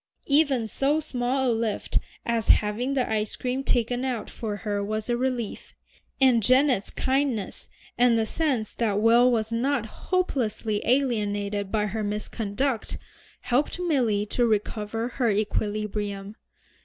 Even so small a lift as having the ice cream taken out for her was a relief, and Janet's kindness, and the sense that Will was not hopelessly alienated by her misconduct, helped Milly to recover her equilibrium.